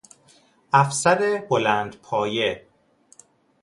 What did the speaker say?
افسر بلندپایه